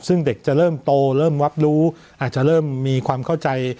ซึ่งเด็กจะเริ่มโตเริ่มวับรู้อาจจะเริ่มมีความเข้าใจ